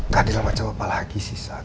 keadilan macam apa lagi sih saka